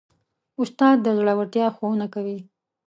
استاد د زړورتیا ښوونه کوي.